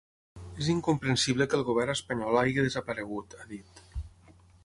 És incomprensible que el govern espanyol hagi desaparegut, ha dit.